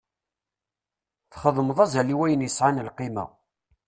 Txeddmeḍ azal i wayen yesɛan lqima.